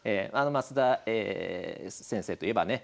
升田先生といえばね